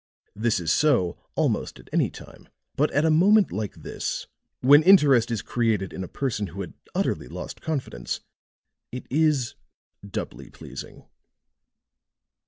"This is so almost at any time. But at a moment like this when interest is created in a person who had utterly lost confidence it is doubly pleasing."